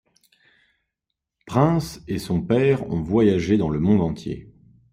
Prince et son père ont voyagé dans le monde entier.